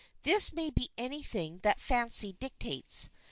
This may be anything that fancy dictates.